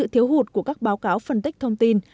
thiếu hụt của các báo cáo phân tích thông tin